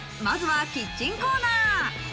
まずはキッチンコーナー。